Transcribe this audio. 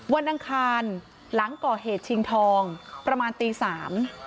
อังคารหลังก่อเหตุชิงทองประมาณตีสาม